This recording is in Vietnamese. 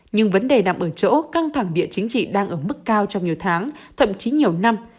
nhưng vấn đề nằm ở chỗ căng thẳng địa chính trị đang ở mức cao trong nhiều tháng thậm chí nhiều năm